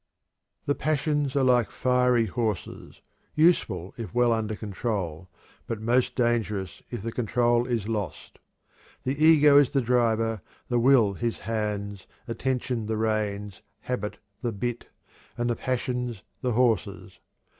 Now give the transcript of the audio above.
The passions are like fiery horses, useful if well under control, but most dangerous if the control is lost. The ego is the driver, the will his hands, attention the reins, habit the bit, and the passions the horses.